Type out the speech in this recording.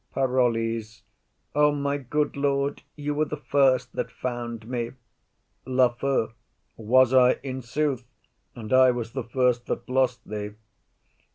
PAROLLES. O my good lord, you were the first that found me. LAFEW. Was I, in sooth? And I was the first that lost thee.